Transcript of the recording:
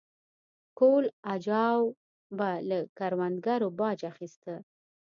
کهول اجاو به له کروندګرو باج اخیسته